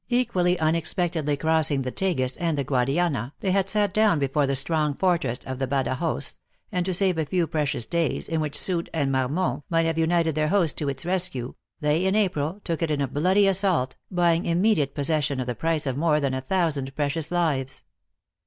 Equally unex pectedly crossing the Tagus and the Guadiana, they had sat down before the strong fortress of Badajoz, and to save a few precious days, in which Soult and Marmont might have united their hosts to its rescue, they, in April, took it in a bloody assault, buying im mediate possession at the price of more than a thou sand precious lives.